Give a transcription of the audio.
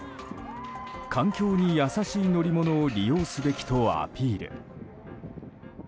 環境に優しい乗り物を利用すべきとアピール。